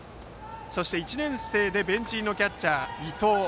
１年生でベンチ入りのキャッチャー伊藤。